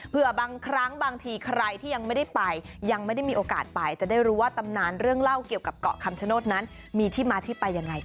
เพื่อบางครั้งบางทีใครที่ยังไม่ได้ไปยังไม่ได้มีโอกาสไปจะได้รู้ว่าตำนานเรื่องเล่าเกี่ยวกับเกาะคำชโนธนั้นมีที่มาที่ไปยังไง